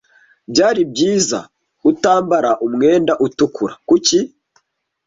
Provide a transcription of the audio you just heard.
"Byari byiza ko utambara umwenda utukura." "Kuki?"